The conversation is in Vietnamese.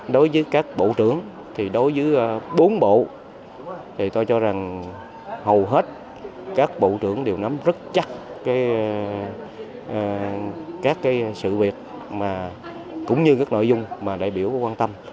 đối với các bộ trưởng thì đối với bốn bộ thì tôi cho rằng hầu hết các bộ trưởng đều nắm rất chắc các sự việc cũng như các nội dung mà đại biểu quan tâm